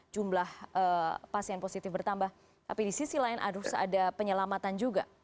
jumlah pasien positif bertambah tapi di sisi lain harus ada penyelamatan juga